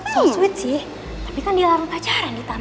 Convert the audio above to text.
so sweet sih tapi kan dia larut pacaran di taman